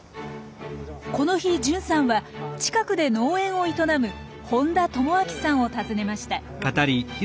この日純さんは近くで農園を営む本多知明さんを訪ねました。